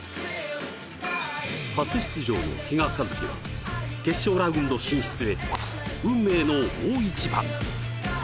初出場の比嘉一貴は決勝ラウンド進出へ運命の大一番。